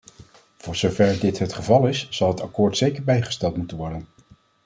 Voor zover dit het geval is zal het akkoord zeker bijgesteld moeten worden.